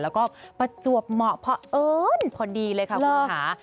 แล้วก็ประจวบเหมาะเพราะเอิญพอดีเลยค่ะคุณค่ะ